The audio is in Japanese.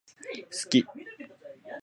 好き